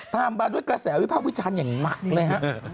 ตามมาด้วยกระแสวิภาพวิจารณ์อย่างหนักเลยฮะ